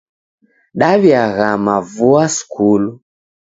Daw'iaghama vua skulu.